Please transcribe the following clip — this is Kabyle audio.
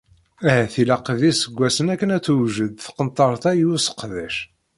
Ahat ilaq d iseggasen akken ad tewjed tqenṭert-a i useqdec.